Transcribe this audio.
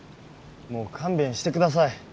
もう勘弁してください。